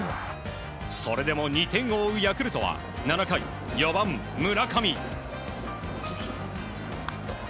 それでも２点を追うヤクルトは７回、４番、村上。